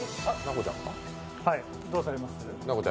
どうされます？